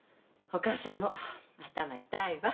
お母さんも頭痛いわ。